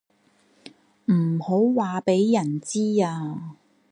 唔好話畀人知啊